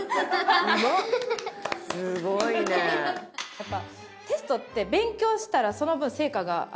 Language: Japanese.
やっぱ。